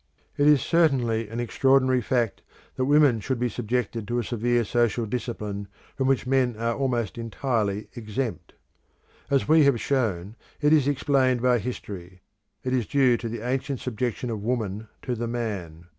It is certainly an extraordinary fact that women should be subjected to a severe social discipline, from which men are almost entirely exempt. As we have shown, it is explained by history; it is due to the ancient subjection of woman to the man.